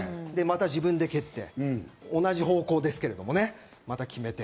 自分で蹴って、同じ方向ですけどもね、また決めて。